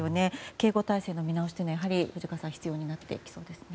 警護態勢の見直しは藤川さん必要になってきそうですね。